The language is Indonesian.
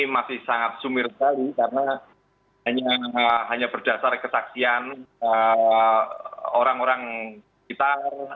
masih sangat sumir sekali karena hanya berdasar kesaksian orang orang kita